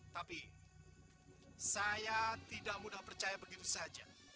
tapi saya tidak mudah percaya begitu saja